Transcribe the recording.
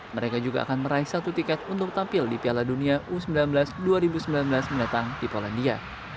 mereka juga akan meraih satu tiket untuk tampil di piala dunia u sembilan belas dua ribu sembilan belas mendatang di polandia